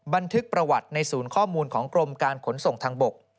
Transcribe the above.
บันทึกประวัติในศูนย์ข้อมูลของกรมการขนส่งทางบก